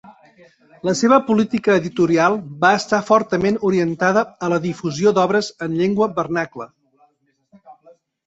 La seva política editorial va estar fortament orientada a la difusió d'obres en llengua vernacla.